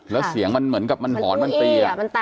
แล้วเสียงมันเหมือนกับมันหอนมันตี